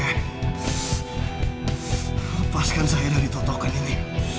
lepaskan saya dari totokan ini